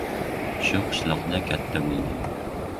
Shu qishloqda katta bo‘ldim.